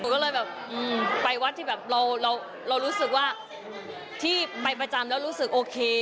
ก็เลยแบบไปวัดที่แบบเรารู้สึกว่าที่ไปประจำแล้วรู้สึกโอเค